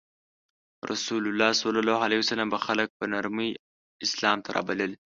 رسول الله به خلک په نرمۍ اسلام ته رابلل.